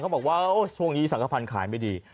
เขาบอกว่าโอ้ยช่วงนี้สังขพันธุ์ขายไม่ดี